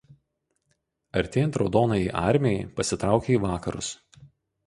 Artėjant raudonajai armijai pasitraukė į vakarus.